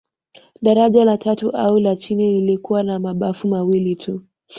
Daraja la tatu au la chini lilikuwa na mabafu mawili tu